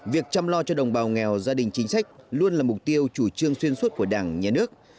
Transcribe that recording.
việc chăm lo cho đồng bào nghèo gia đình chính sách luôn là mục tiêu chủ trương xuyên suốt của đảng nhà nước